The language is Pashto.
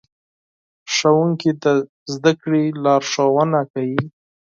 ښوونکي د زدهکړې لارښوونه کوي.